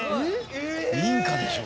民家でしょ？